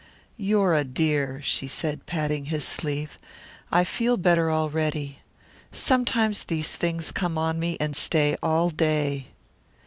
"You're a dear," she said, patting his sleeve. "I feel better already. Sometimes these things come on me and stay all day."